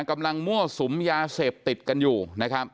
มั่วสุมยาเสพติดกันอยู่นะครับ